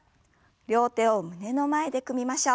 両手を胸の前で組みましょう。